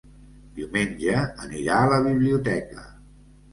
Diumenge anirà a la biblioteca.